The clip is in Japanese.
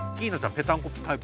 ぺたんこタイプ。